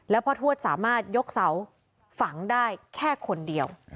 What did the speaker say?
แล้วพ่อทวดสามารถยกเสาฝังได้แค่คนเดียว